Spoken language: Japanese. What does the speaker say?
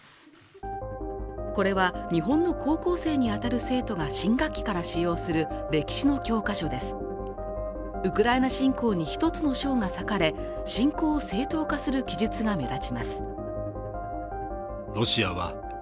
これは日本の高校生に当たる生徒が新学期から使用する歴史の教科書ですウクライナ侵攻に一つの章が割かれ侵攻を正当化する記述が目立ちます